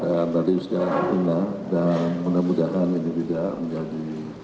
dan dari segala akunnya dan mudah mudahan ini tidak menjadi